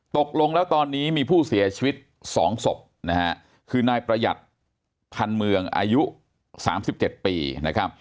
ตกลงแล้วตอนนี้มีผู้เสียชีวิต๒ศพนะฮะคือนายประหยัดพันเมืองอายุ๓๗ปีนะครับ